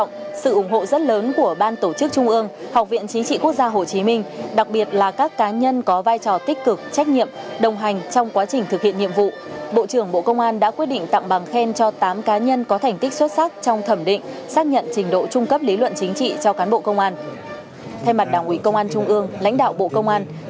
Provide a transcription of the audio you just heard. nguyễn văn thành ủy viên trung ương đảng thứ trưởng bộ công an chủ trì buổi lễ công bố quyết định và trao tặng bằng khen của các cá nhân có thành tích xuất sắc trong thẩm định xác nhận trình độ trung cấp lý luận chính trị cho cán bộ công an tham gia cấp ủy cơ sở nhiệm kỳ hai nghìn hai mươi hai nghìn hai mươi năm